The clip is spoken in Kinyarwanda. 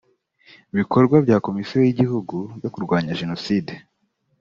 bikorwa bya komisiyo y igihugu yo kurwanya jenoside